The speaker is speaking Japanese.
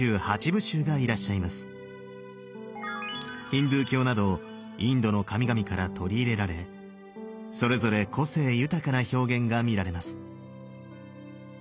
ヒンドゥー教などインドの神々から取り入れられそれぞれ個性豊かな表現が見られます。